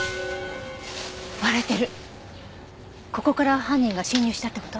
ここから犯人が侵入したって事？